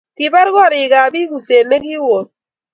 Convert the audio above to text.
Kipar korik ab pik uset nekiwon